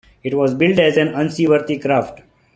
It was billed as an unseaworthy craft.